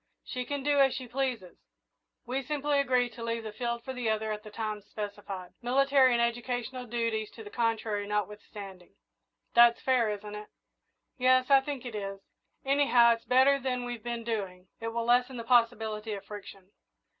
She can do as she pleases we simply agree to leave the field for the other at the times specified, military and educational duties to the contrary notwithstanding. That's fair, isn't it?" "Yes, I think it is. Anyhow, it's better than we've been doing it will lessen the possibility of friction."